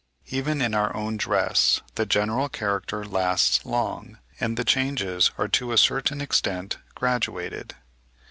Even in our own dress, the general character lasts long, and the changes are to a certain extent graduated.